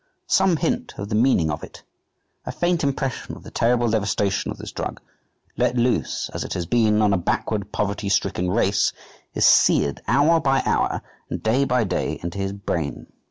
Some hint of the meaning of it, a faint impression of the terrible devastation of this drug let loose, as it has been, on a backward, poverty stricken race is seared, hour by hour and day by day into his brain.